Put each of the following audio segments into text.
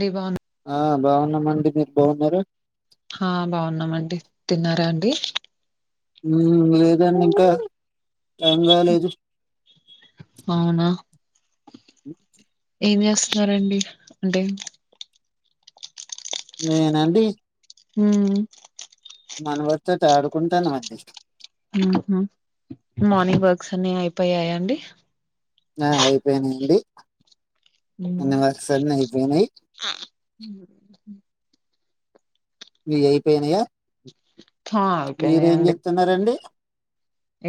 డిబా ఆ బాగున్నామండి మీరు బాగున్నారు ఆ బాగున్నామండి తిన్నారా అండి లేదండి ఇంకా టైం కాలేదు అవునా ఏం చేస్తున్నారండి అంటే నేనాండి ఉమ్ మన వడుతో త ఆడుకుంటాను అది మార్నింగ్ వార్క్స్ అన్ని అయిపోయాయా అండి ఆ అయిపోయినాయిండి అన్ని వర్క్స్ అన్ని అయిపోయినాయి ఆ మియ్యి అయిపోయినాయా హ మీరేం అయిపోయినాయండి చేస్తున్నారండి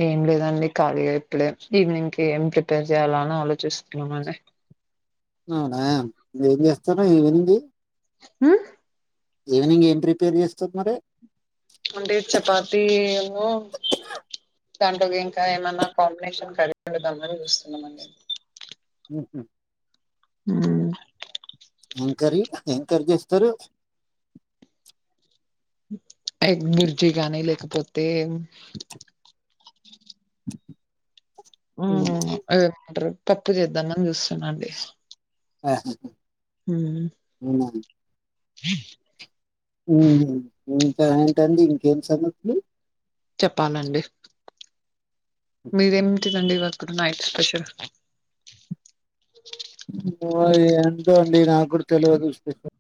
ఏం లేదండి ఖాళీగా ఇప్పుడే ఈవినింగ్కి ఏం ప్రిపేర్ చేయ్యాలా అని ఆలోచిస్తున్నామండీ అవునా మీరేం చేస్తుర్రు ఈవినింగ్ ఉ ఈవినింగ్ ఏం ప్రిపేర్ చేస్తున్నారు అంటే చపాతీ ఉన్ను దాంట్లోకి ఇంకా ఏమన్నా కాంబినేషన్ కర్రీ పెడదామని చూస్తున్నామండి ఉహు ఉమ్ ఏం కర్రీ ఏం కర్రీ జేస్తారు ఎగ్ బుర్జిగాని లేకపోతే ఉ మ్మ్. అదేమంటారు పప్పు చేద్దామని చూస్తున్నానండి ఆహ ఉమ్ [inaudible] ఉహ్ ఇంకా ఏంటండి ఇంకేం సంగతులు చెప్పాలండి మీరేమిటిదండి వర్ ఇప్పుడు నైట్ స్పెషల్ పోవ ఏంటో అండి నాగూడతెల్వదు స్పెషల్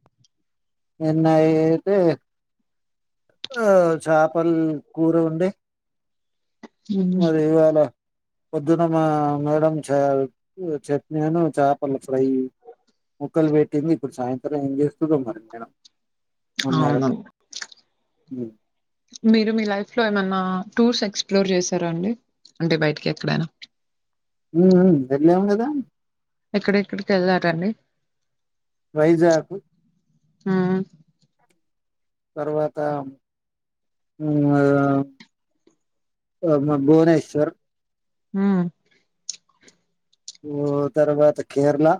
నిన్నఅయితే ఆ చాపల్ కూర ఉండే మ్మ్ మరి ఇవ్వాలా పొద్దున్న మా మేడం చ చట్నీను చాపల ఫ్రై ముక్కలు పెట్టింది ఇప్పుడు సాయంత్రం ఏం చేస్తదో మరి మేడం మా మేడం అవునం హ్మ్. మీరు మీ లైఫ్ లో ఏమన్నా టూర్స్ ఎక్స్ప్లోర్ చేశారా అండి అంటే బయటికి ఎక్కడైనా ఉమ్ ఉమ్ వెళ్ళాంగదా ఎక్కడెక్కడికి వెళ్లారని వైజాకు ఆ తర్వాత ఉమ్ అ మ భువనేశ్వర్ ఉమ్ ఓ తర్వాత కేరళా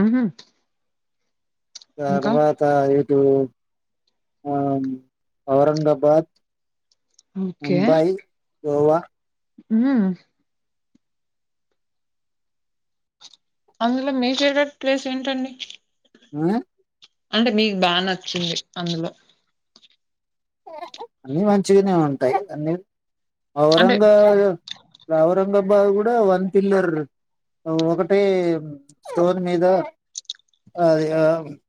ఉహు తర్వాత ఇటు ఆమ్ ఔరంగాబాద్ ఓకే ముంబై గోవా ఉహు అందులో మీ ఫేవరెట్ ప్లేస్ ఏంటండి [inaudible] అంటే మీకు బాగా నచ్చింది అందులో అన్ని మంచిగానే ఉంటాయి అన్ని అంటే ఔరంగావద్ ఔరంగాబాద్ కూడా వన్ పిల్లర్ ఒకటి స్టోన్ మీద అది అమ్ [inaudible]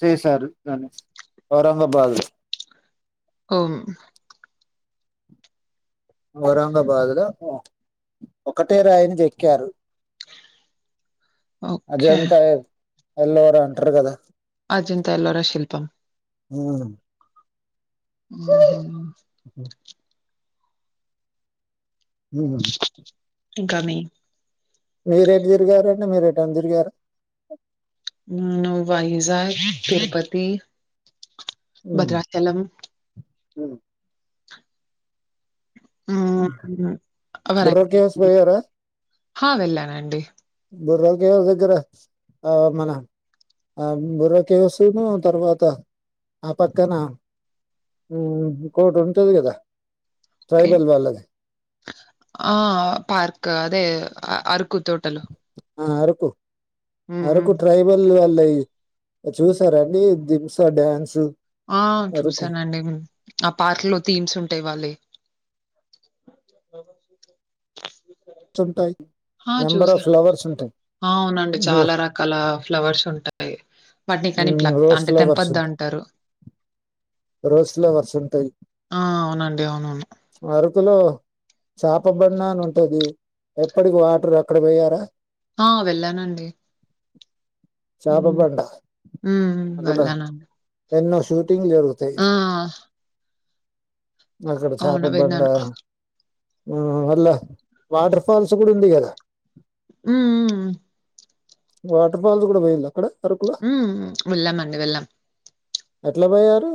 చేసారు దాన్స్ ఔరంగబాదులో ఉమ్ ఔరంగాబాద్ లో ఒకటే రాయిని జేక్కారు ఓకే అజంతయ ఎలేరు అంటారు కదా అజంతా ఎల్లోరా శిల్పం ఉహు ఉహు [unintelligible] ఇంకా మీ మీరేటు తిరిగారుంటే మీరే అ తరిగారు హు వైజాగ్ తిరుపతి భద్రాచలం ఉ ఊ బుర్రా కేవ్స్ పోయారా [inaudible] హా వెళ్ళానండి బుర్ర కేవు దగ్గర ఆ మన ఆ బుర్ర కేవ్స్ ను తర్వాత ఆ పక్కన హు కోట ఉంటది కదా ట్రైబల్ వాళ్ళది ఆ పార్క్ అదే అరుకు తోటలు ఆ అరకు హ్మ్. హ్మ్. అరకు ట్రైబల్ వాళ్ళ చూసార అండి దిమ్సా డాన్స్ ఆ చూసానండి ఆ పార్క్ లో థీమ్స్ ఉంటాయి వాళ్ల యి [inaudible] చుంటాయి ఆ చూసాను అవునండి చాలా రకాల ఫ్లవర్స్ ఉంటాయి వాటిని కానీ పల రోజ్ అంటే ఫ్లవర్స్ తెంపదు ఉంటాయి అంటారు రోజ్ ఫ్లవర్స్ ఉంటాయి ఆ అవునండి అవునను పార్కులో చాప బండ అని ఉంటది ఎప్పటికి వాటర్ అక్కడ పోయారా ఆ వెళ్ళానండి హు చేప బండ ఉహు అక్కడ వేళ్ళను అండి ఎన్నో షూటింగ్ జరుగుతాయి ఆ అక్కడ చేప అవును. బండ విన్నాను. ఆ వల్ల హ్మ్. వాటర్ ఫాల్స్ కూడా ఉంది కదా హు హు ఊ వాటర్ ఫాల్స్ కూడా పోయిలా అక్కడ అరకులో హు వెళ్ళాము అండి వెళ్ళాం ఎట్లా పోయారు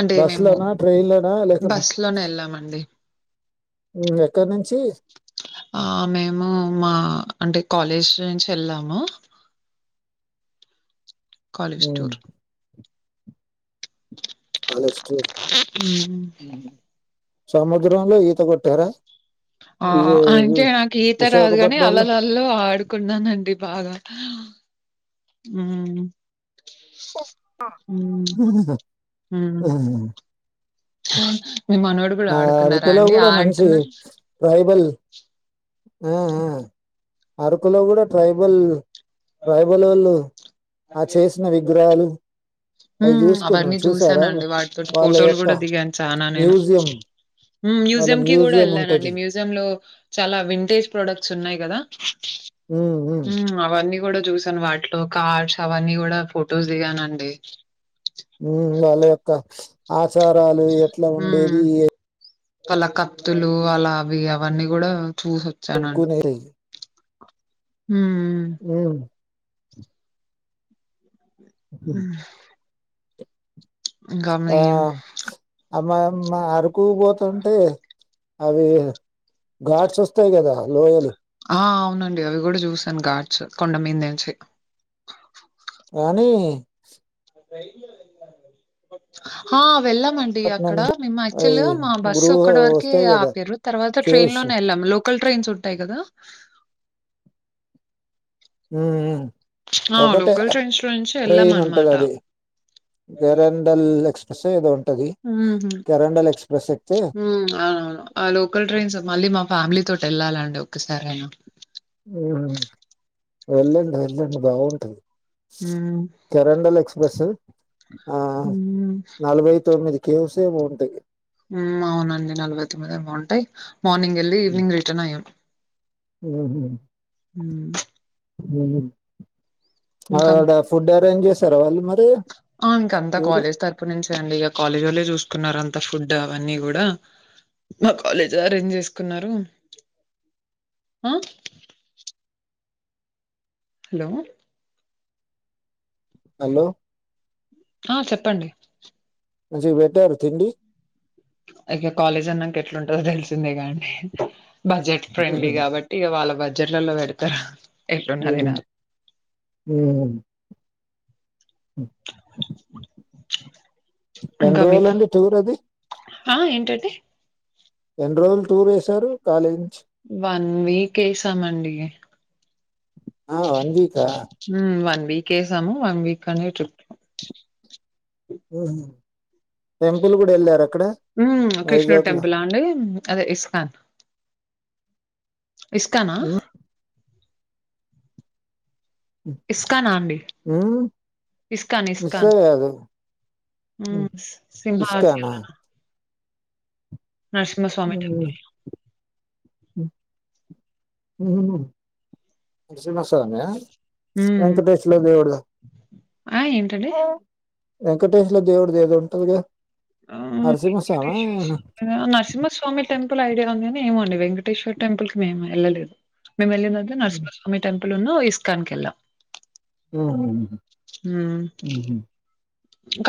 అంటే బస్ మేము లోనా ట్రైయిన్లనా లేకపో బస్ లోనే ఎళ్ళామండి. ఎక్కడి నుంచి ఆ మేము మా అంటే కాలేజ్ నుంచి వెళ్ళాము కాలేజ్ హ్మ్. టూర్ కాలేజీ టూర్ హ్మ్ సముద్రంలో హు ఈత కొట్టారా ఆ ఇది అంటే నాకు ఈత రాదు కాని విశాఖపట్నంలో? అలలలో ఆడుకున్నానండి బాగ హు ఆ! అవును ఆ అరకులో కూడ మంచి అంటున్నారు. టైబల్ ఆ అరకులో కూడ ట్రైబల్ ట్రైబల్ లోళ్ళు ఆ చేసిన విగ్రహాలు అయి జూసుకున్నాం. అవన్నీ చూసారా? చూసానండి వాటితోటి వాళ్ళ ఫోటోలు యొక్క కూడ దిగాను చాన నేను మ్యూజియం వాళ్ళ మ్యూజియం కి కూడ ఉంటది. వెళ్ళానండి మ్యూజియం లో చాలా వింటేజ్ ప్రొడక్ట్స్ ఉంటాయి కదా హ్మ్. హ్మ్. అవన్నీ కూడ చూసాను వాటిలో కార్స్ అవన్నీ కూడా ఫొటోస్ దిగానండి ఉ వాళ్ళ యొక్క ఆచారాలు ఎట్లా ఉండేది ఎ అలా కత్తులు అలా అవి అవన్నీ కూడా చూ కొనేటియి. [unintelligible] హ్మ్. ఆ ఆ అమ్మమ్మా అరకు పోతుంటే అవి ఘాడ్స్ వస్తాయి కదా లోయలు ఆ! అవునండి అవి కూడ చూసాను గాడ్స్ కొండ మీద నుంచి అనీ హా వెళ్ళా అండి పట్నం అక్కడ నుంచి మేము అవి యాక్చువల్గా మా బస్సు గృహ ఒక్కటి వారికి వస్తాయి కదా ఆపారు తర్వాత ట్రైన్ కేవ్స్ లోనే వెళ్ళాము లోకల్ ట్రైన్స్ ఉంటాయి కదా ఆ! ఒకటే లోకల్ ట్రైన్స్‌లో నుంచి ట్రయిన్ ఉంటది ఎళ్ళామనమాట. అది దేరండల్ ఎక్స్ప్రెస్ ఏదో ఉంటది హుహు. దేరండల్ ఎక్స్ప్రెస్ ఎక్తే హ్మ్. ఆ లోకల్ ట్రైన్స్ మళ్ళీ మా ఫ్యామిలీ తోటి వెళ్ళాలండి ఒకసారియినా వెళ్ళండి వెళ్ళండి బాగుం హ్మ్. కెరండల్ ఎక్స్ప్రెస్ ఆ హ్మ్. నలభై తొమ్మిది కేవ్స్ ఏమో ఉంటాయ్ అవునండి నలభై తొమ్మిది ఏమో ఉంటాయి మార్నింగ్ వెళ్ళి ఈవినింగ్ రిటర్న్ అయ్యాం ఆ హ ఆడ ఫుడ్ అరేంజ్ చేస్తారా వాళ్ళు మ ఆ ఇంకంతా కాలేజ్ తరపు నుంచి అండి కాలేజ్ వాళ్లే చూసుకున్నారు అంత ఫుడ్ అవన్నీ కూడ మా కాలేజ్ అరేంజ్ చేసుకున్నారు ఆ హలో హలో ఆ చెప్పండి [unintelligible] ఇక కాలేజ్ అన్నాక ఎట్లుంటందో తెలిసిందే గా బడ్జెట్ ఫ్రెండ్లీ కాబట్టి ఇక వాళ్ళ బడ్జెట్లలో పెడతారు అ రోజులు అండి టూర్ అది ఆ ఏంటండి ఎన్ని రోజులు అ టూర్ వేశారు కాలేజ్ నుంచి వన్ వీక్ వేసామండి ఆ వందిత వీకేసమ వన్ వీక్ అ హ ఉ కృష్ణూ [unintelligible] వైజాగ్ లో టెంపుల్ అండి అదే ఇస్కాన్. ఇస్కానా అండి. మిస్ అయ్యాదు సింభాచ్చ ఇస్కానా నరసింహస్వామి టెంపుల్. మ్ హుహుమ్ నరసింహాస్వామా. హ్మ్ వెంకటేశ్వర దేవుడు. ఆ ఏంటండి? వెంకటేేశల దేవుడిది ఏదో ఉంటదిగా. ఆ నరసింహస్వామి వెంకటేశ్వర స్వామిదా, నరసింహస్వామి టెంపుల్. ల్ ఐడి ఉందినినేమోండి వెంకటేశ్వర్ టెంపుల్ క మేము వెళ్ళలేదు మేము వెళ్ళిన నరసిహస్వామి టెం నేను ఇస్కాన్ కి వెళ్లా. ఉమ్ మ్ ఉమ్,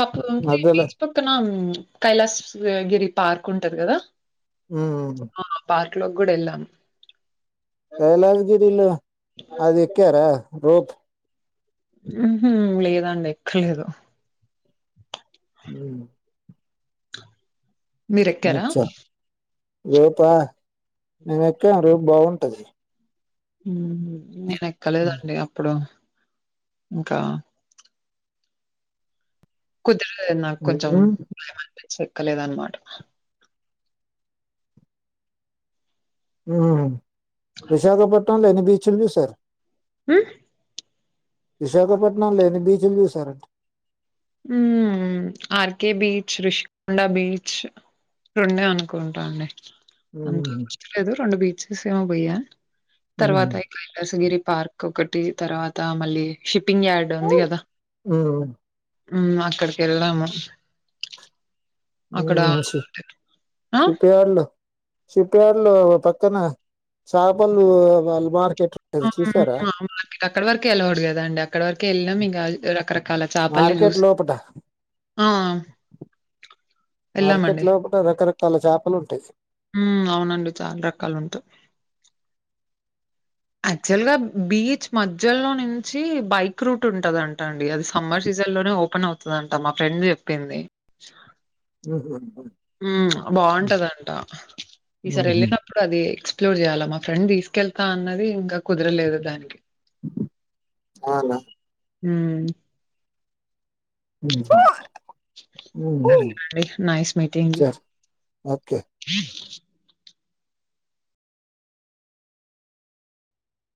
గప్పుడు ఉంది మధ్యలో బీచ్ పక్కనా. కైలాస్ గిరి పార్క్ ఉంటది కదా. మ్ హు లో గుడి ఎల్లాం. కైలాస్ గిరిలొ అది ఎక్కరా రోప్. మ్ హు లేదండి ఎక్కలేదు. ఊ మీరెక్కారా? ముచ్చ రోపా నేను ఎక్కాం రోపు బాగుంటది. ఉ హు నేను ఎక్కలేదండి అప్పుడు ఇంకా. కుదరలేదు నాకు కొంచెం భయం అనిపించి ఎక్కలేదు అన్నమాట. మ్ విశాఖపట్నంల ఏమి బీచుంది సార్. హమ్ విశాఖపట్నంల ఏమి బీచుంది సార్. మ్ ఆర్కే బీ తృషకొండ బీచ్ రెండే అనుకుంటా అండి. అంత వస్తలేదు రెండు బీచెస్ ఏమో భయ్యా తర్వాత ఇ కైలాసగిరి పార్క్ ఒకటి తర్వాత మళ్ళీ షిప్పింగ్ యార్డ్ ఉంది కదా. ఉమ్ అక్కడికి వెళ్ళాము. మ్ ఐ సీ ఆ! షిప్ యార్డ్ లొ. షిప్ యార్డ్ లో పక్కన చాపలు వాళ్ళ మార్కెట్. ఉంటది అవును చూసారా అవును అవును అక్కడ వరకే ఆలోయడ్ కదా అండి అక్కడ వరకే వెళ్ళాం ఇంక రకరకాల. కాల చేపల్ని మార్కెట్ చూసి లోపట వెళ్ళామండి. మార్కెట్ లో కూడా రకరకాల చాపలు ఉంటాయి. మ్ అవునండి చాల రకాలు ఉంటది. యాక్చువల్ గా బీచ్ మధ్యలో నుంచి బైక్ రూట్ ఉంటదంట అండి అది సమ్మర్ సీజన్. మధ్యలోనే ఓపెన్ అవుతదంట మా ఫ్రెండ్ చెప్పింది. ఓహో ఉమ్ బాగుంటదంట ఈసారి వెళ్ళినప్పుడు అది ఎక్స్పి ఎక్స్ప్లోర్ చేయాలా మా ఫ్రెండ్ తీసుకెళ్తా అన్నది ఇంకా కుదరలేదు దానికి. అవునా హమ్ ఉమ్ హు ఉమ్ హు అండి. Nice meeting you. సరే ఓకే.